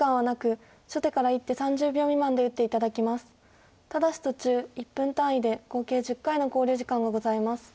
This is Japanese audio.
ただし途中１分単位で合計１０回の考慮時間がございます。